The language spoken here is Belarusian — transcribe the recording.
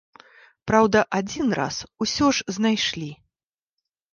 Праўда, адзін раз усё ж знайшлі.